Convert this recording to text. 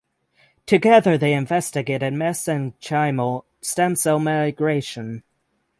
Together they investigated mesenchymal stem cell migration.